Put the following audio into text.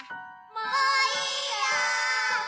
もういいよ！